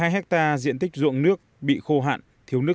một mươi hai hectare diện tích ruộng nước bị khô héo